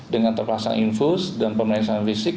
dengan terpasang infus dan pemeriksaan fisik